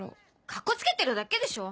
カッコつけてるだけでしょ！